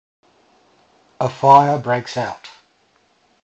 A fire breaks out.